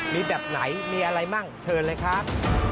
มีแบบไหนมีอะไรมั่งเชิญเลยครับ